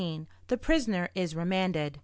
THE PRISONER IS REMANDED. Mr.